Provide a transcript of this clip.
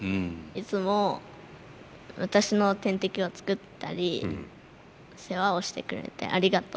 いつも私の点滴を作ったり世話をしてくれてありがとう。